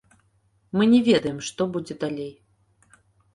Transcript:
Мы не ведаем, што будзе далей.